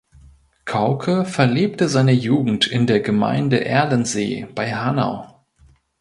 Kauke verlebte seine Jugend in der Gemeinde Erlensee bei Hanau.